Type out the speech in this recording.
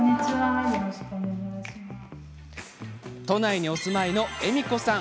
都内にお住まいの恵美子さん。